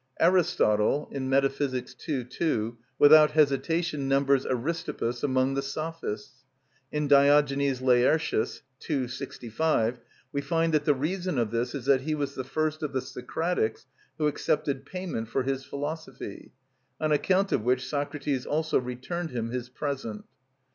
Aristotle (Metaph., ii. 2) without hesitation numbers Aristippus among the Sophists. In Diogenes Laertius (ii. 65) we find that the reason of this is that he was the first of the Socratics who accepted payment for his philosophy; on account of which Socrates also returned him his present.